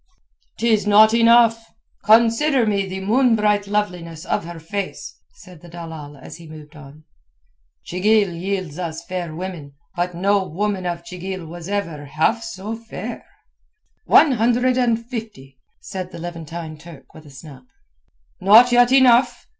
"'Tis not enough. Consider me the moon bright loveliness of her face," said the dalal as he moved on. "Chigil yields us fair women, but no woman of Chigil was ever half so fair." "One hundred and fifty," said the Levantine Turk with a snap. "Not yet enough.